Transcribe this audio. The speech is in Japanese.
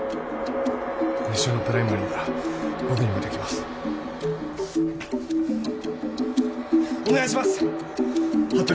熱傷のプライマリーなら僕にもできますお願いします！